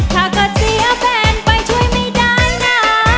ถ้าเกิดเสียแฟนไปช่วยไม่ได้นะ